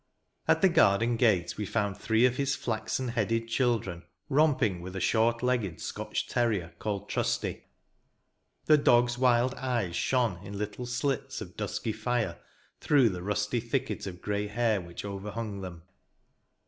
At the garden gate we found three of his flaxen headed children, romping with a short legged Scotch terrier, called " Trusty." The dog's wild eyes shone in little slits of dusky fire through the rusty thicket of gray hair which overhung them.